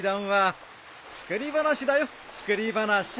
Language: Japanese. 作り話だよ作り話。